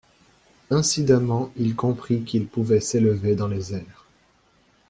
Incidemment il comprit qu’il pouvait s’élever dans les airs.